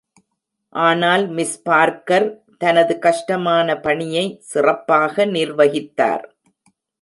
ஆனால் miss Parker தனது கஷ்டமான பணியை சிறப்பாக நிர்வகித்தார்.